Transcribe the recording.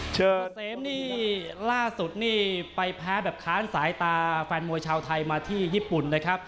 เชอร์เซมนี่ล่าสุดนี่ไปแพ้แบบค้านสายตาแฟนมวยชาวไทยมาที่ญี่ปุ่นนะครับ